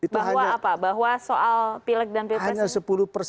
bahwa apa bahwa soal pilek dan pilpres